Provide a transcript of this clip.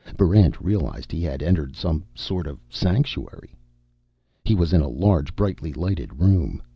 Barrent realized he had entered some sort of sanctuary. He was in a large, brightly lighted room.